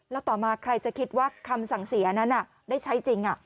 แล้วต่อมาใครจะคิดว่าคำสั่งเสียนั้นได้ใช้จริง